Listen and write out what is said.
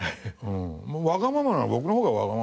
わがままなのは僕の方がわがままかも。